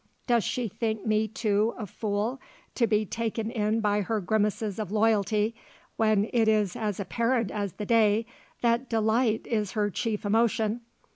"Does she think me, too, a fool, to be taken in by her grimaces of loyalty when it is as apparent as the day that delight is her chief emotion.